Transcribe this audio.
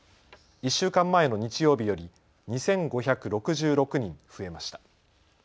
１週間前の日曜日より２５６６人増えました。